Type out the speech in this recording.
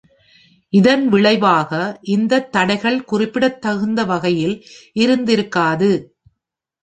இதன் விளைவாக, இந்தத் தடைகள் குறிப்பிடத்தகுந்த வகையில் இருந்திருக்காது.